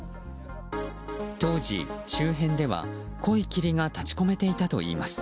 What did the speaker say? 当時、周辺では濃い霧が立ち込めていたといいます。